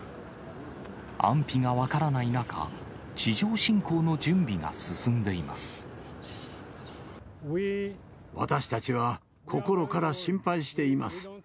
安否が分からない中、地上侵攻の私たちは心から心配しています。